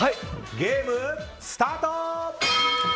ゲームスタート！